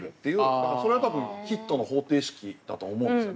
だからそれは多分ヒットの方程式だと思うんですよね。